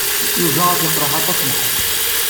Yuba ad t-yeqreḥ aṭas lḥal.